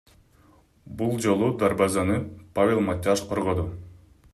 Бул жолу дарбазаны Павел Матяш коргоду.